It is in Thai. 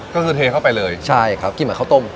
ก็คือเทเข้าไปเลยใช่ครับกินเหมือนข้าวต้ม